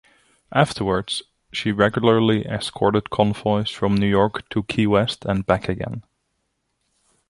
Afterwards, she regularly escorted convoys from New York to Key West and back again.